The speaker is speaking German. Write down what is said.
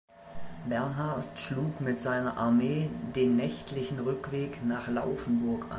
Bernhard schlug mit seiner Armee den nächtlichen Rückweg nach Laufenburg ein.